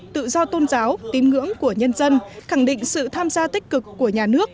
tự do tôn giáo tín ngưỡng của nhân dân khẳng định sự tham gia tích cực của nhà nước